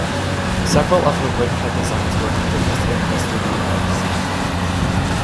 Several of her woodcut designs were reproduced in "The Studio" magazine.